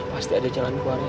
pasti ada jalan keluarnya